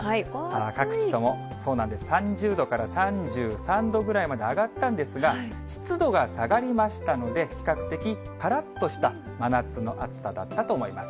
各地とも３０度から３３度ぐらいまで上がったんですが、湿度が下がりましたので、比較的からっとした真夏の暑さだったと思います。